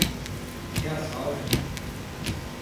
Que assalto!